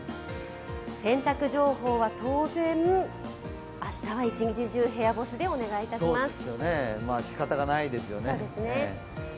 洗濯情報は当然、明日は一日中、部屋干しでお願いいたします。